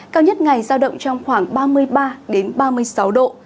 cao nhất ngày giao động trong khoảng ba mươi ba ba mươi sáu độ